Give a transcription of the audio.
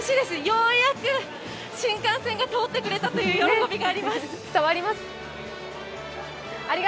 ようやく新幹線が通ってくれたという喜びがあります。